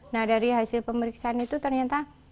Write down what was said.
nah dari hasil pemeriksaan itu ternyata